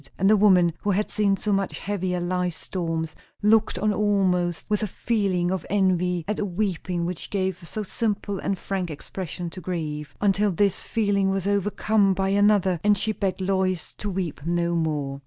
And the woman who had seen so much heavier life storms, looked on almost with a feeling of envy at the weeping which gave so simple and frank expression to grief. Until this feeling was overcome by another, and she begged Lois to weep no more.